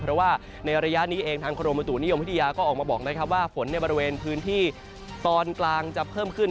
เพราะว่าในระยะนี้เองทางกรมบุตุนิยมวิทยาก็ออกมาบอกนะครับว่าฝนในบริเวณพื้นที่ตอนกลางจะเพิ่มขึ้น